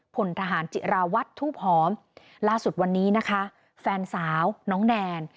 พลทหารจิราวัตรทูบหอมล่าสุดวันนี้นะคะแฟนสาวน้องแนน